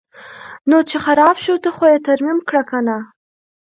نو چې خراب شو ته خو یې ترمیم کړه کنه.